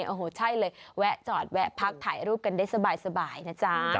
โอ้โหใช่เลยแวะจอดแวะพักถ่ายรูปกันได้สบายนะจ๊ะ